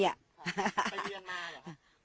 ไปเรียนมาหรอคะ